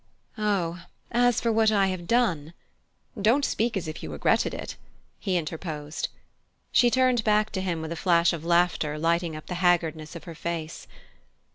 "Oh, as for what I have done !" "Don't speak as if you regretted it," he interposed. She turned back to him with a flash of laughter lighting up the haggardness of her face.